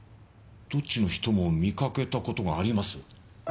どっちの人も見かけた事があります。